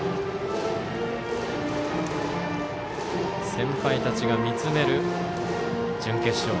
先輩たちが見つめる準決勝。